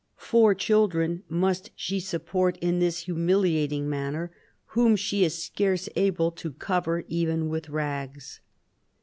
Four children must she support in this humiliating manner, whom she is scarce able to cover even with rags."